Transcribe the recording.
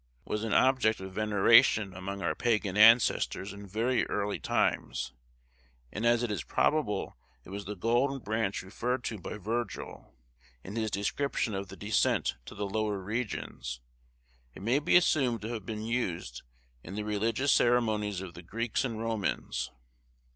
—was an object of veneration among our pagan ancestors in very early times, and as it is probable it was the golden branch referred to by Virgil, in his description of the descent to the lower regions, it may be assumed to have been used in the religious ceremonies of the Greeks and Romans.